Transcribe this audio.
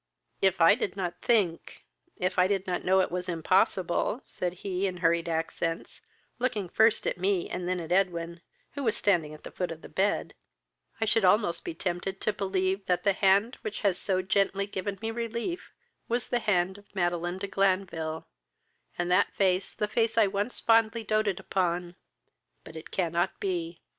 "If I did not think, if I did not know it was impossible, (said he, in hurried accents, looking first at me, and then at Edwin, who was standing at the foot of the bed,) I should almost be tempted to believe that the hand which has so gently given me relief was the hand of Madeline de Glanville, and that face the face I once fondly doated upon; but it cannot be!